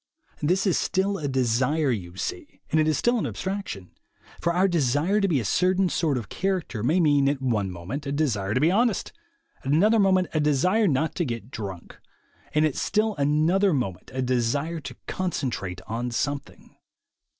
This is still a desire, you see, and it is still an abstraction; for our desire to be a certain sort of character may mean at one moment a desire to be honest, at another moment a desire not to get drunk, and at still another moment a desire to con centrate on something.